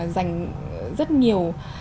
dành rất nhiều